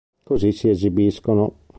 Così si esibiscono.